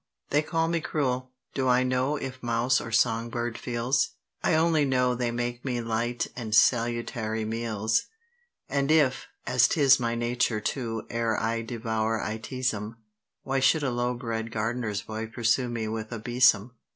They call me cruel. Do I know if mouse or songbird feels? I only know they make me light and salutary meals: And if, as 'tis my nature to, ere I devour I tease 'em, Why should a low bred gardener's boy pursue me with a besom?